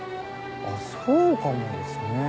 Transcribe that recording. あっそうかもですね。